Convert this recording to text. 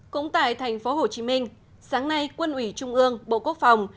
cũng tại thành phố hồ chí minh sáng nay quân ủy trung ương bộ quốc phòng